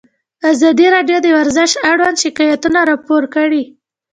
ازادي راډیو د ورزش اړوند شکایتونه راپور کړي.